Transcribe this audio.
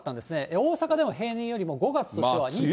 大阪でも平年よりも５月としては２．５倍。